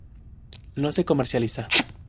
No se comercializa.